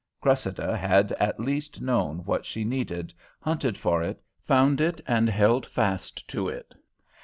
Cressida had at least known what she needed, hunted for it, found it, and held fast to it.